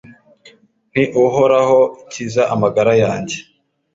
nti Uhoraho kiza amagara yanjye